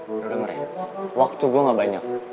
gue udah dengerin waktu gue gak banyak